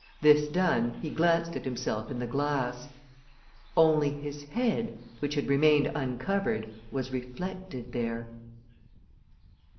This done, he glanced at himself in the glass. _Only his head, which had remained uncovered, was reflected there!